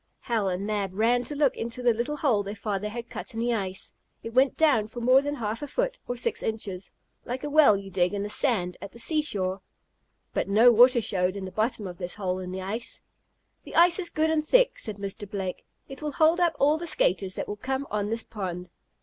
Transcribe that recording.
Hal and Mab ran to look into the little hole their father had cut in the ice. It went down for more than half a foot, or six inches, like a well you dig in the sand at the seashore. But no water showed in the bottom of this hole in the ice. "The ice is good and thick," said Mr. Blake. "It will hold up all the skaters that will come on this pond."